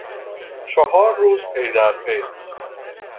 چهار روز پیدرپی